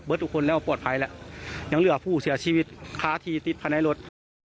ทุกคนแล้วปลอดภัยแล้วยังเหลือผู้เสียชีวิตค้าที่ติดภายในรถ